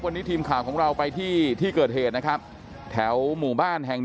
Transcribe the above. วันนี้ทีมข่าวของเราไปที่ที่เกิดเหตุนะครับแถวหมู่บ้านแห่ง๑